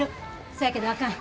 そやけどあかん。